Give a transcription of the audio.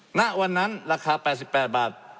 หน้าวันนั้นราคาแปดสิบแปดบาท